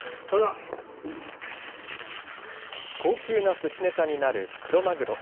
高級なすしネタになるクロマグロ。